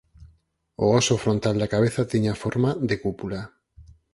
O óso frontal da cabeza tiña forma de cúpula.